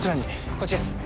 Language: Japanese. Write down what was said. こっちです。